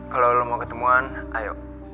kalau lo mau ketemuan ayo